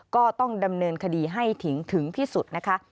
ก็ต้องดำเนินคดีให้ถึงถึงพิสุทธิ์นะคะ